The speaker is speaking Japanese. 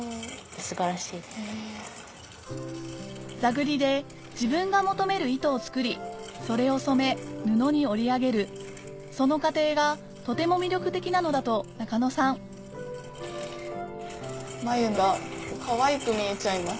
座繰りで自分が求める糸を作りそれを染め布に織り上げるその過程がとても魅力的なのだと中野さん繭がかわいく見えちゃいます。